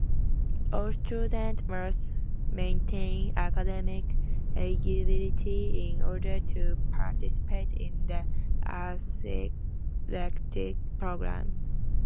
All students must maintain academic eligibility in order to participate in the athletics program.